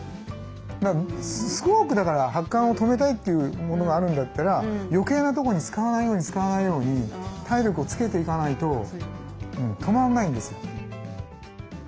すごくだから発汗を止めたいというものがあるんだったら余計なとこに使わないように使わないように体力をつけていかないと止まらないんですよ。